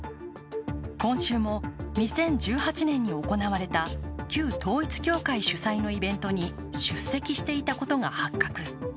今週も２０１８年に行われた旧統一教会主催のイベントに出席していたことが発覚。